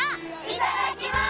いただきます！